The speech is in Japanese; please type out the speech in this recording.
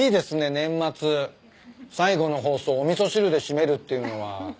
年末最後の放送お味噌汁で締めるっていうのは。